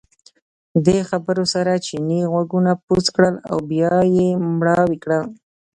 دې خبرو سره چیني غوږونه بوڅ کړل او بیا یې مړاوي کړل.